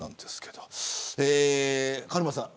カルマさん。